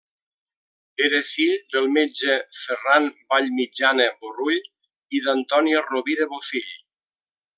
Era fill del metge Ferran Vallmitjana Borrull i d'Antònia Rovira Bofill.